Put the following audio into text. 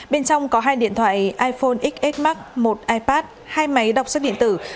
bên trong có hai điện thoại iphone xs max một ipad hai máy đọc sách điện tử